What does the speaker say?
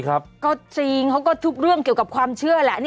ก็จริงเขาก็ทุกเรื่องเกี่ยวกับความเชื่อแหละ